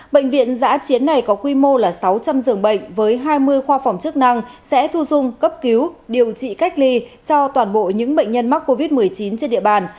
bệnh viện giã chiến này có quy mô là sáu trăm linh giường bệnh với hai mươi khoa phòng chức năng sẽ thu dung cấp cứu điều trị cách ly cho toàn bộ những bệnh nhân mắc covid một mươi chín trên địa bàn